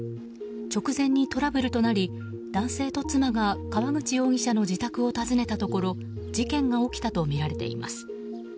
直前にトラブルとなり男性と妻が川口容疑者の自宅を訪ねたところ事件が起きたとみられています。